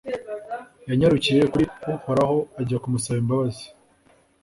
yanyarukiye kuri uhoraho ajya kumusaba imbabazi